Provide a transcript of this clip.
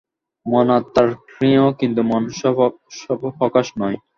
মন আত্মার জ্ঞেয়, কিন্তু মন স্বপ্রকাশ নয়।